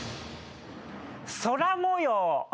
空模様。